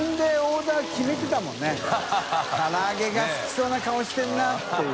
唐揚げが好きそうな顔してるな」っていう。